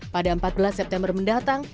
pada empat belas september mendatang